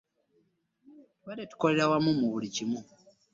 Tubadde tukolera wamu mu buli kimu.